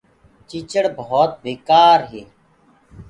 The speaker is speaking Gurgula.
تيچڙ ڀوت بيڪآر چيج هي۔